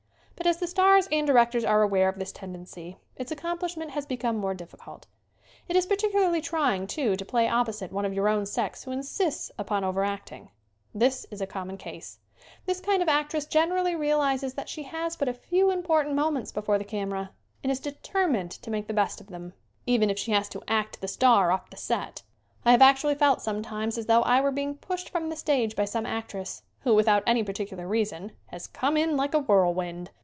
But as the stars and directors are aware of this tendency its accomplishment has become more difficult. It is particularly trying, too, to play opposite one of your own sex who insists upon over acting. This is a common case. This kind of actress generally realizes that she has but a few important moments before the camera and is determined to make the best of them even if Q tt: "2 5 SCREEN ACTING 97 she has to "act the star off the set." I have actually felt sometimes as though I were being pushed from the stage by some actress, who, without any particular reason, has come in like a whirlwind.